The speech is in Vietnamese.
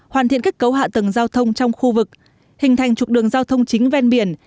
hoàn thiện kết cấu hạ tầng giao thông trong khu vực hình thành trục đường giao thông chính ven biển